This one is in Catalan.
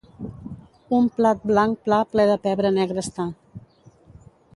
Un plat blanc pla ple de pebre negre està.